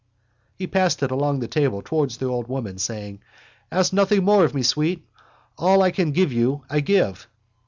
He passed it along the table towards the old woman, saying: —Ask nothing more of me, sweet. All I can give you I give.